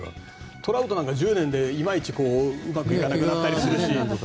トラウトなんか１０年でいまいちうまくいっていないし。